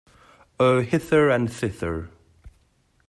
Oh, hither and thither.